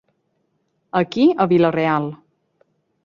Aquí a Vila-Real.